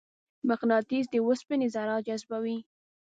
مقناطیس د اوسپنې ذرات جذبوي.